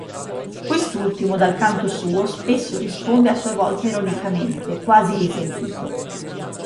Quest'ultimo, dal canto suo, spesso risponde a sua volta ironicamente, quasi risentito.